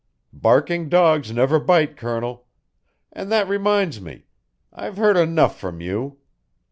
"Barking dogs never bite, Colonel. And that reminds me: I've heard enough from you.